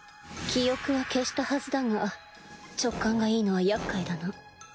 記憶は消したはずだが直感がいいのはやっかいだな